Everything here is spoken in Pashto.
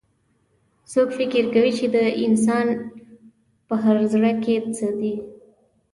څوک فکر کوي چې د انسان پهزړه کي څه دي